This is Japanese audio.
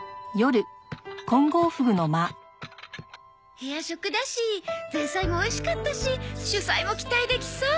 部屋食だし前菜もおいしかったし主菜も期待できそう。